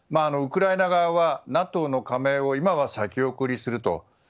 ウクライナ側はＮＡＴＯの加盟を今は先送りすると。